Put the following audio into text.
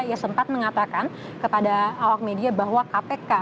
ia sempat mengatakan kepada awak media bahwa kpk